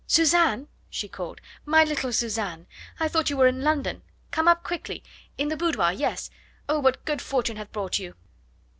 "Suzanne!" she called "my little Suzanne! I thought you were in London. Come up quickly! In the boudoir yes. Oh! what good fortune hath brought you?"